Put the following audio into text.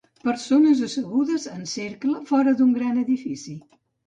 Persones assegudes en cercle fora d'un gran edifici.